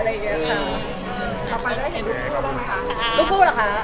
วลูกคู่เหรอคะ